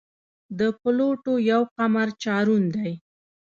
د پلوټو یو قمر چارون دی.